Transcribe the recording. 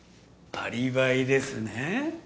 アリバイですね